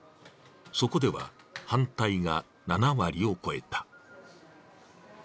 そこでは、反対が７割を超えた。